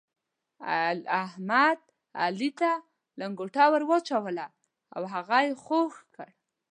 احمد، علي ته لنګته ور واچوله او هغه يې خوږ کړ.